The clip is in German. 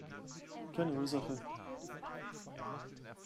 Keine Ursache!